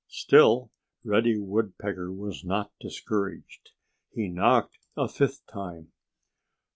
Still Reddy Woodpecker was not discouraged. He knocked a fifth time.